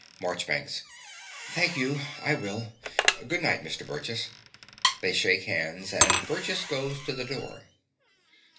MARCHBANKS. Thank you: I will. Good night, Mr. Burgess. (They shake hands and Burgess goes to the door.)